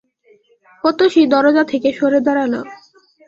অতসী দরজা থেকে সরে দাঁড়াল।